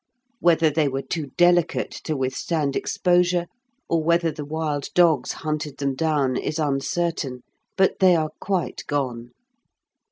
Whether they were too delicate to withstand exposure, or whether the wild dogs hunted them down is uncertain, but they are quite gone.